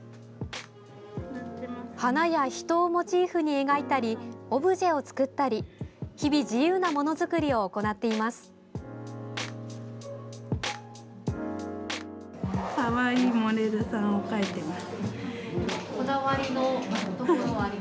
花や人をモチーフに描いたりオブジェを作ったり日々、自由なものづくりを行っています。